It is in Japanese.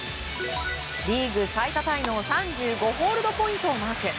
リーグ最多タイの３５ホールドポイントをマーク。